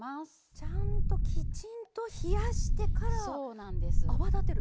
ちゃんときちんと冷やしてから泡立てる。